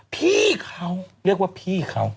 พี่เขาเรียกว่าพี่เขา